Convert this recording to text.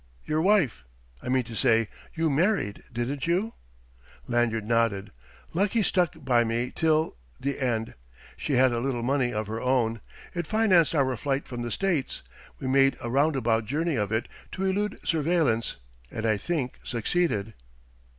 "Your wife ... I mean to say, you married, didn't you?" Lanyard nodded. "Lucy stuck by me till ... the end.... She had a little money of her own. It financed our flight from the States. We made a round about journey of it, to elude surveillance and, I think, succeeded."